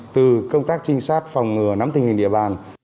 từ công tác trinh sát phòng ngừa nắm tình hình địa bàn